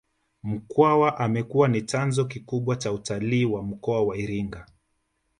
Mkwawa amekuwa ni chanzo kikubwa cha utalii wa mkoa wa Iringa